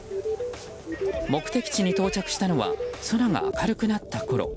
目的地に到着したのは空が明るくなったころ。